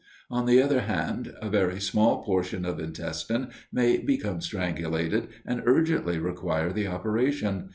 On the other hand, a very small portion of intestine may become strangulated, and urgently require the operation.